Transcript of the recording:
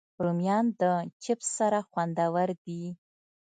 رومیان د چپس سره خوندور دي